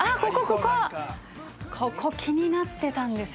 ここ気になってたんですよ